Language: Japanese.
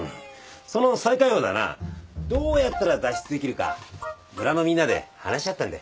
その最下位をだなどうやったら脱出できるか村のみんなで話し合ったんだ。